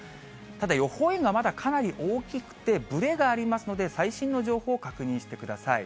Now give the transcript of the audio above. ただ、予報円がかなり大きくてぶれがありますので、最新の情報を確認してください。